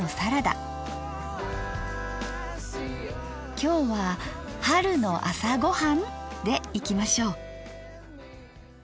今日は「春の朝ごはん」でいきましょう！